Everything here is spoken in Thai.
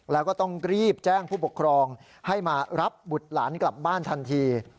แล้วก็ต้องรีบแจ้งผู้ปกครองให้มารับบุตรหลานกลับบ้านทันที